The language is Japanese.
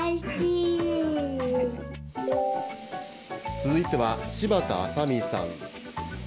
続いては、柴田麻美さん。